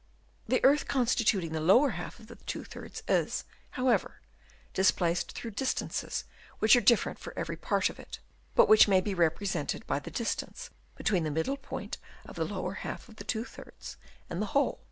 The earth con stituting the lower half of the two thirds is, however, displaced through distances which are different for every part of it, but which may be represented by the distance between the middle point of the lower half of the two thirds and the hole.